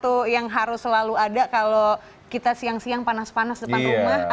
itu yang harus selalu ada kalau kita siang siang panas panas depan rumah